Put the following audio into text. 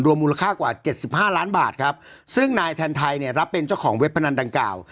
มูลค่ากว่าเจ็ดสิบห้าล้านบาทครับซึ่งนายแทนไทยเนี่ยรับเป็นเจ้าของเว็บพนันดังกล่าว